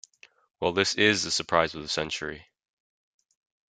Well, this "is" the surprise of the century.